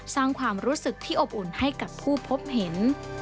สร้างความรู้สึกที่อบอุ่นให้กับผู้พบเห็น